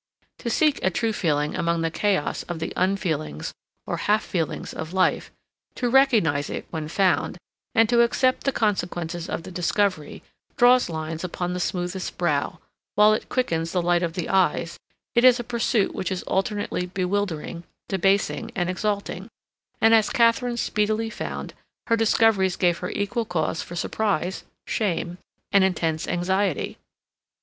To seek a true feeling among the chaos of the unfeelings or half feelings of life, to recognize it when found, and to accept the consequences of the discovery, draws lines upon the smoothest brow, while it quickens the light of the eyes; it is a pursuit which is alternately bewildering, debasing, and exalting, and, as Katharine speedily found, her discoveries gave her equal cause for surprise, shame, and intense anxiety.